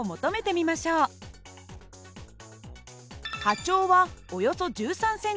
波長はおよそ１３ｃｍ。